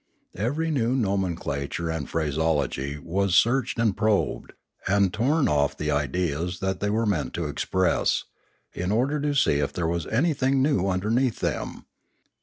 Every new nomenclature and phraseology was searched and probed, and torn off the ideas that they Ethics 617 were meant to express, in order to see if there was any thing new underneath them.